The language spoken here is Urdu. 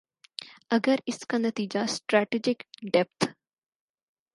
اگر اس کا نتیجہ سٹریٹجک ڈیپتھ